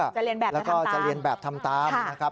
จะเรียนแบบนี้แล้วก็จะเรียนแบบทำตามนะครับ